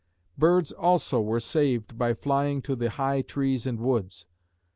Birds also were saved by flying to the high trees and woods.